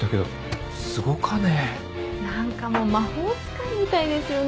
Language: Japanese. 何かもう魔法使いみたいですよね。